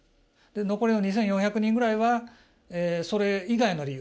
残りの２４００人ぐらいはそれ以外の理由。